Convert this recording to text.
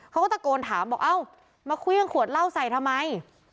เขาก็ตะโกนถามบอกเอ้ามาเครื่องขวดเหล้าใส่ทำไม